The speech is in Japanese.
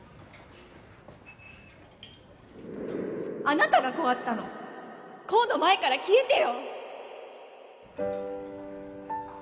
あなたが壊したの功の前から消えてよ！